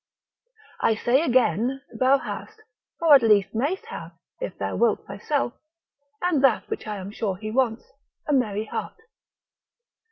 I say again thou hast, or at least mayst have it, if thou wilt thyself, and that which I am sure he wants, a merry heart.